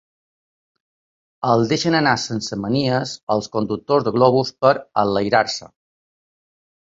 El deixen anar sense manies els conductors de globus per enlairar-se.